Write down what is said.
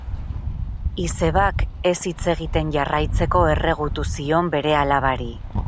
Izebak ez hitz egiten jarraitzeko erregutu zion bere alabari.